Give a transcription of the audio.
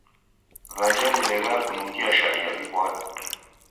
W'aja w'ileghaa kunughia sharia w'iw'ado.